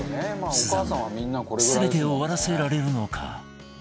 スザンヌ全てを終わらせられるのか？